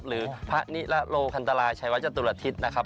หรือพระธนิราโลพรรตรายฉระแวจตุลอาทิตย์นะครับ